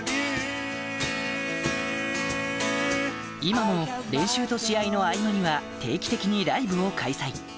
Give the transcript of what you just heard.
今も練習と試合の合間には定期的にライブを開催